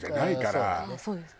そうです。